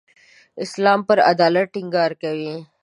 اسلام پر عدالت ټینګار کوي.